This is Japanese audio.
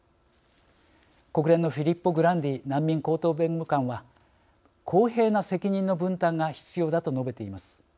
国連のフィリッポ・グランディ難民高等弁務官は「公平な責任の分担が必要だ」と述べています。